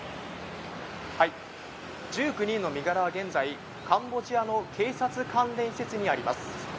１９人の身柄は現在、カンボジアの警察関連施設にあります。